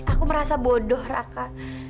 aku merasa bodoh raka